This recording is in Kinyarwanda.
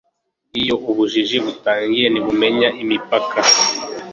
iyo ubujiji butangiye ntibumenya imipaka